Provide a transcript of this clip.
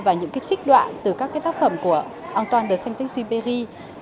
và những trích đoạn từ các tác phẩm của antoine de saint supré